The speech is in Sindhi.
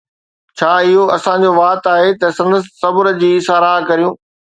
ڇا اھو اسان جو وات آھي ته سندس صبر جي ساراھہ ڪريون؟